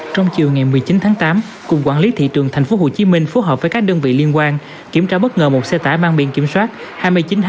trong chiều một mươi chín tháng tám cùng quản lý thị trường tp hcm phối hợp với các đơn vị liên quan kiểm tra bất ngờ một xe tải mang biện kiểm soát hai mươi chín h ba mươi bảy nghìn ba trăm tám mươi bảy